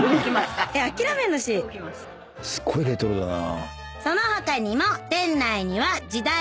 すっごいレトロだな。